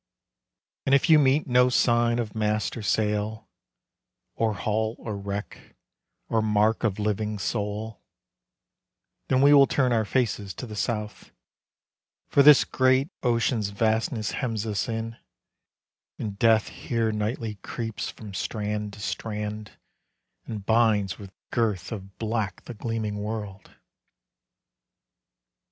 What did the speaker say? And if you meet no sign of mast or sail, Or hull or wreck, or mark of living soul, Then we will turn our faces to the south; For this great ocean's vastness hems us in, And death here nightly creeps from strand to strand, And binds with girth of black the gleaming world."